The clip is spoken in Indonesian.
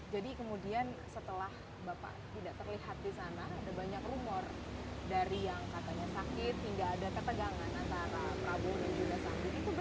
jadi kemudian setelah bapak tidak terlihat di sana ada banyak rumor